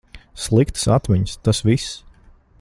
Sliktas atmiņas, tas viss.